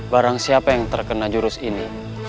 barang siapa yang terkena jurus ini